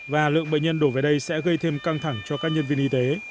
và lượng bệnh nhân đổ về đây sẽ gây thêm căng thẳng cho các nhân viên y tế